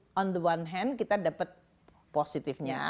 salah satu kita dapat positifnya